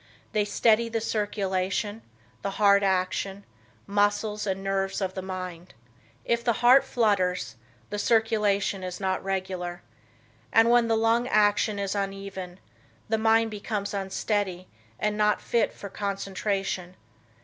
They steady the circulation, the heart action, muscles and nerves of the mind. If the heart flutters, the circulation is not regular, and when the lung action is uneven, the mind becomes unsteady and not fit for concentration.